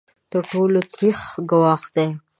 تر ټولو تریخ ګواښ دی.